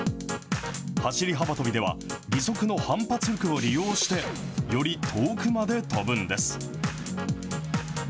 走り幅跳びでは、義足の反発力を利用して、より遠くまで跳ぶんです。